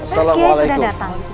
pak kiai sudah datang